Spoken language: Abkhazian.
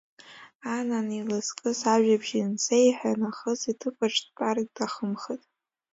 Анан илызкыз ажәабжь ансеиҳәа нахыс, иҭыԥаҿ дтәар иҭахымхеит.